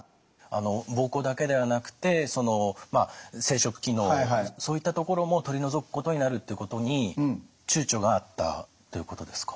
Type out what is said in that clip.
膀胱だけではなくて生殖機能そういったところも取り除くことになるってことにちゅうちょがあったということですか。